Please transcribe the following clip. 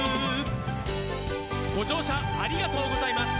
「ごじょうしゃありがとうございます」